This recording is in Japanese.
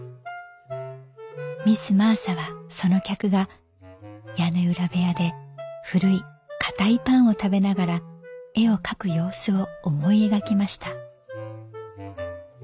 「ミス・マーサはその客が屋根裏部屋で古いかたいパンを食べながら絵を描く様子を思い描きました」。